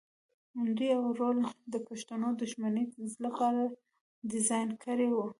دوی دا رول د پښتنو د دښمنۍ لپاره ډیزاین کړی و.